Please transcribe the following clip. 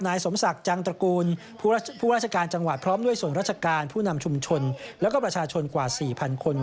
นายสมศักดิ์จังตระกูลผู้ราชการจังหวัดพร้อมด้วยส่วนราชการผู้นำชุมชนแล้วก็ประชาชนกว่า๔๐๐คน